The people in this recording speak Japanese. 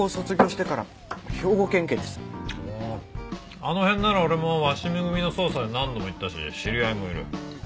あの辺なら俺も鷲見組の捜査で何度も行ったし知り合いもいる。